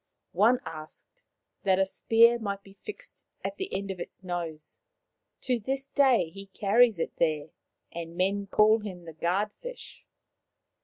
One asked that a spear might be fixed at the end of his nose ; to this day he carries it there, and men call him the Guard fish.